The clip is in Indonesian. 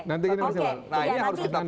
nanti ini harus kita perhatikan